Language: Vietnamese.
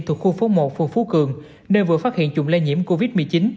thuộc khu phố một phường phú cường nơi vừa phát hiện chủng lây nhiễm covid một mươi chín